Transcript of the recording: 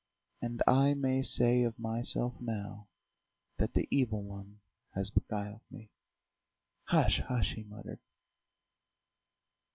And I may say of myself now that the Evil One has beguiled me." "Hush, hush!..." he muttered.